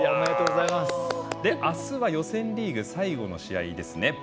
あすは予選リーグ最後の試合